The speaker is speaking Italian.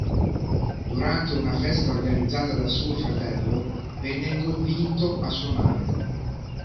Durante una festa organizzata da suo fratello, venne convinto a suonare.